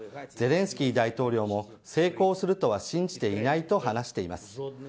ゼレンスキー大統領も成功するとは信じていないと話しています。